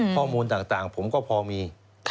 ข้อมูลต่างผมก็พอมี